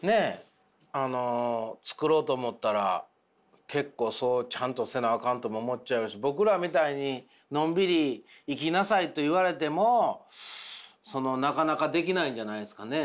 あの作ろうと思ったら結構ちゃんとせなあかんとも思っちゃうし僕らみたいにのんびり生きなさいと言われてもなかなかできないんじゃないんですかね。